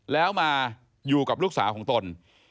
แล้วมาอยู่กับลูกสาวของตน